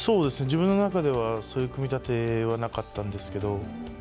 自分の中では、そういう組み立てはなかったんですけれども。